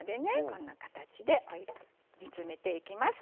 こんな形で置いて煮詰めていきます。